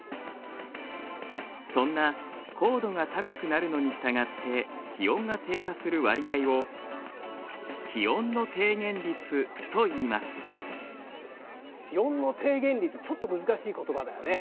そんな高度が高くなるのにしたがって気温が低下する割合を気温の逓減率ちょっと難しいことばだよね。